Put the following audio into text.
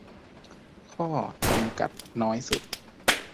ข้อจำกัดน้อยสุด